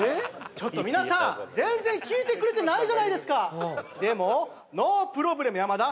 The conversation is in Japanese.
ちょっと皆さん全然聞いてくれてないじゃないですかでもノープロブレム山田